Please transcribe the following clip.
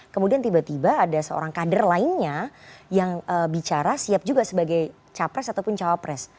kemudian tiba tiba ada seorang kader lainnya yang bicara siap juga sebagai capres ataupun cawapres